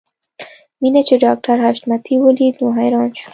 مينه چې ډاکټر حشمتي وليده نو حیران شو